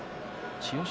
千代翔